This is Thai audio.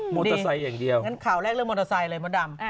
มอเตอร์ไซค์อย่างเดียวงั้นข่าวแรกเรื่องมอเตอร์ไซค์เลยมดดำ